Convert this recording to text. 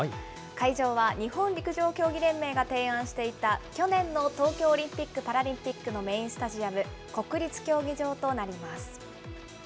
会場は日本陸上競技連盟が提案していた、去年の東京オリンピック・パラリンピックのメインスタジアム、国立競技場となります。